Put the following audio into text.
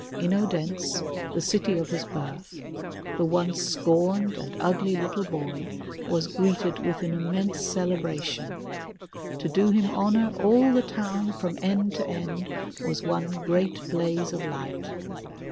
In Odense, the city of his birth, the once scorned and ugly little boy was greeted with an immense celebration. To do him honor all the town, from end to end, was one great blaze of light.